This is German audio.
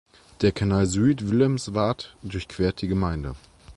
Der Kanal Zuid-Willemsvaart durchquert die Gemeinde.